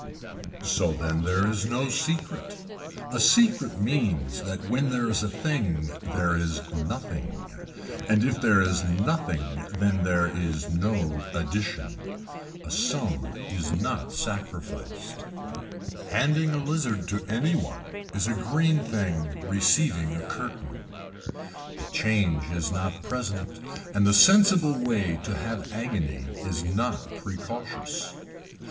So then there is no secret. A secret means that when there is a thing there is nothing and if there is nothing then there is no addition. A sum is not sacrificed. Handing a lizard to any one is a green thing receiving a curtain. The change is not present and the sensible way to have agony is not precautious.